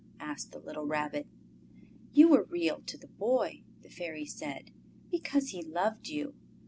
asked the little Rabbit. "You were Real to the Boy," the Fairy said, "because he loved you.